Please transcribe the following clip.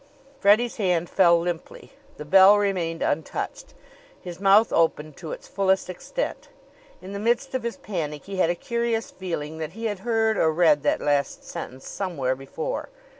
Freddie's hand fell limply. The bell remained un touched. His mouth opened to its fullest extent. In the midst of his panic he had a curious feeling that he had heard or read that last sentence somewhere before.